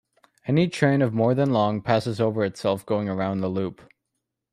Any train of more than long passes over itself going around the loop.